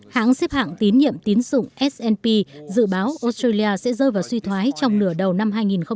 hãng xếp hạng tín nhiệm tín dụng snp dự báo australia sẽ rơi vào suy thoái trong nửa đầu năm hai nghìn hai mươi